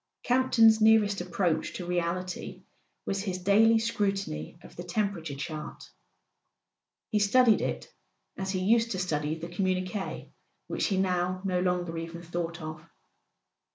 Campton's nearest approach to reality was his daily scrutiny of the temperature chart. He studied it as he used to study the communiques which he now no longer even thought of.